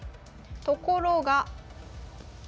ところが。